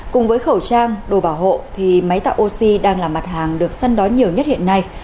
cùng với khẩu trang đồ bảo hộ thì máy tạo oxy đang là mặt hàng được săn đón nhiều nhất hiện nay